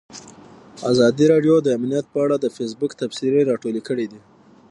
ازادي راډیو د امنیت په اړه د فیسبوک تبصرې راټولې کړي.